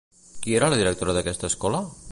Qui era la directora d'aquesta escola?